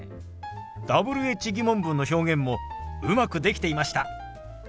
Ｗｈ−疑問文の表現もうまくできていました。